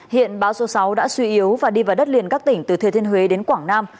hiện bão số sáu đã suy yếu và đi vào đất liền các tỉnh từ thừa thiên huế đến quảng nam